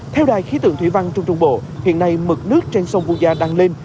theo đài khí tượng thủy văn trung trung bộ hiện nay mực nước trên sông vu gia đang lên